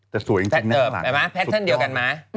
แต่สวยจริงจริงนะฟากสามมาแปตเต่นเดียวกันไหม